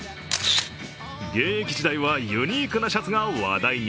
現役時代はユニークなシャツが話題に。